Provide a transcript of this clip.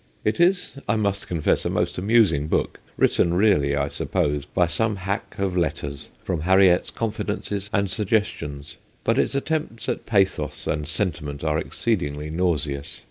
It is, I must confess, a most amusing book, written really, I suppose, by some hack of letters from Harriet's confidences and suggestions, but its attempts at pathos and sentiment are exceedingly nauseous.